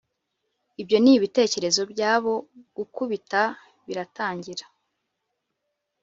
ibyo nibitekerezo byabo, gukubita biratangira.